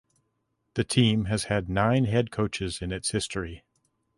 The team has had nine head coaches in its history.